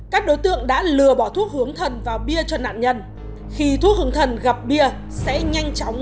lúc đó đối tượng sẽ không vốt phải sự phản kháng nào khi ra tay hành động